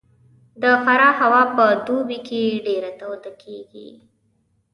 د فراه هوا په دوبي کې ډېره توده کېږي